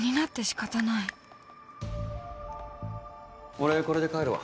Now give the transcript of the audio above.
俺これで帰るわ。